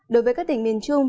đối với các tỉnh miền trung